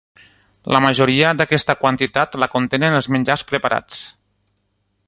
La majoria d'aquesta quantitat la contenen els menjars preparats.